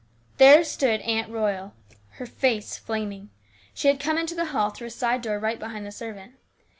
There stood Aunt Royal, her face flaming. She had come into the hall through a side door right behind the servant.